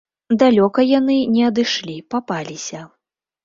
Далёка яны не адышлі, папаліся.